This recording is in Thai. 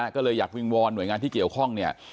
ก็เลยอยากวิงวอนหน่วยงานที่เกี่ยวข้องเนี่ย